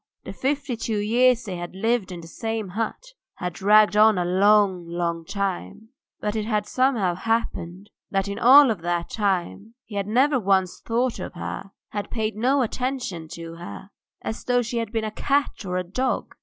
The fifty two years they had lived in the same hut had dragged on a long, long time, but it had somehow happened that in all that time he had never once thought of her, had paid no attention to her, as though she had been a cat or a dog.